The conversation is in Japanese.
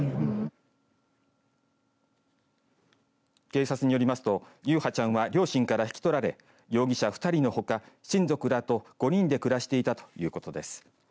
警察によりますと優陽ちゃんは両親から引き取られ容疑者２人のほか親族らと５人で暮らしていたということです。